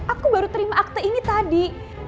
aku baru terima akte ini tadi